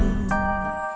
semuanya demi ibu